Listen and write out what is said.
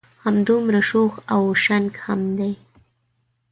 همدمره شوخ او شنګ هم دی.